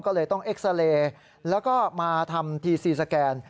ก็เลยต้องเอ็กซาเลแล้วก็มาทำทีซีสแกน